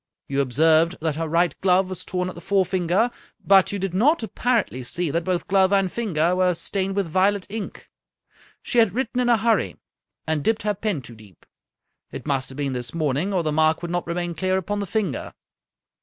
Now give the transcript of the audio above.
You observed that her right glove was torn at the forefinger, but you 53 Scotch Mystery Stories did not, apparently, see that both glove and finger were stained with violet ink. She had written in a hurry, and dipped her pen too deep. It must have been this morning, or the mark would not remain clear upon the finger.